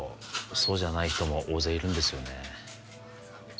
そうじゃない人も大勢いるんですよね